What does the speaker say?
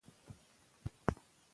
هم له خپلو هم پردیو ظالمانو